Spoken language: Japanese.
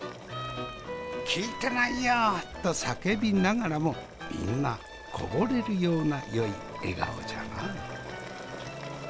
「聞いてないよ！」と叫びながらもみんなこぼれるようなよい笑顔じゃな。